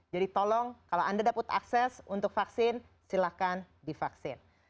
jadi tolong kalau anda dapat akses untuk vaksin silakan divaksin